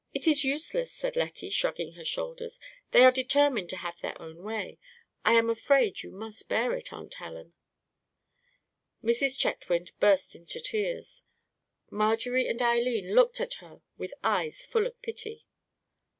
"It is useless," said Lettie, shrugging her shoulders; "they are determined to have their own way. I am afraid you must bear it, Aunt Helen." Mrs. Chetwynd burst into tears. Marjorie and Eileen looked at her with eyes full of pity.